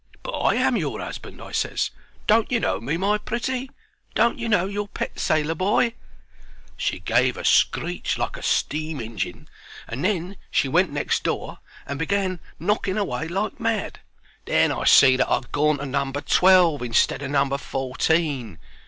"'But I am your 'usband,' I ses. 'Don't you know me, my pretty? Don't you know your pet sailor boy?' "She gave a screech like a steam injin, and then she went next door and began knocking away like mad. Then I see that I 'ad gorn to number twelve instead of number fourteen.